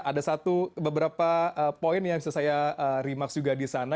ada satu beberapa poin yang bisa saya remaks juga di sana